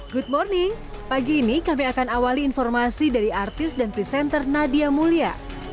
good morning pagi ini kami akan awali informasi dari artis dan presenter nadia mulia